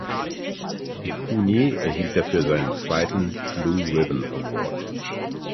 Mikuni erhielt dafür seinen zweiten „Blue Ribbon Award“.